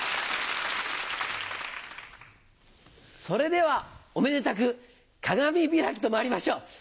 それではおめでたく鏡開きとまいりましょう。